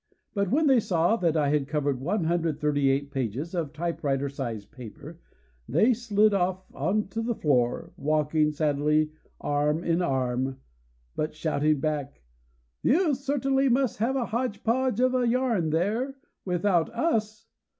But when they saw that I had covered 138 pages of typewriter size paper, they slid off onto the floor, walking sadly away, arm in arm; but shouting back: "You certainly must have a hodge podge of a yarn there without _Us!